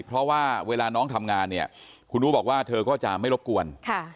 เพราะว่าเวลาน้องทำงานเนี่ยคุณอู๋บอกว่าเธอก็จะไม่รบกวน